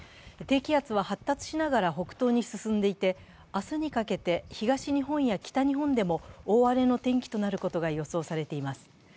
低気圧は発達しながら北東に進んでいて、明日にかけて東日本や北日本でも大荒れの天気となることが予想されています。